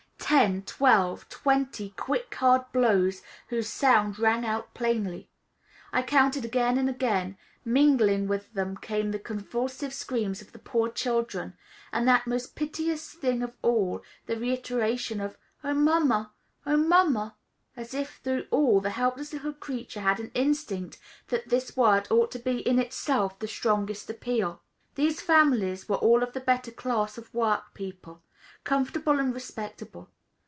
Ten, twelve, twenty quick, hard blows, whose sound rang out plainly, I counted again and again; mingling with them came the convulsive screams of the poor children, and that most piteous thing of all, the reiteration of "Oh, mamma! oh, mamma!" as if, through all, the helpless little creatures had an instinct that this word ought to be in itself the strongest appeal. These families were all of the better class of work people, comfortable and respectable.